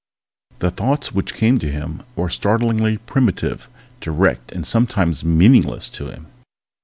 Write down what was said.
The thoughts which came to him were startlingly primitive, direct and sometimes meaningless to him.